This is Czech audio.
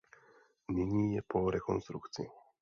Nyní je po rekonstrukci.